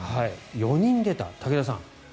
４人出た、武田さん。